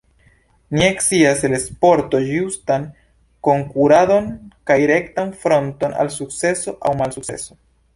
Ni scias el sporto justan konkuradon kaj rektan fronton al sukceso aŭ malsukceso.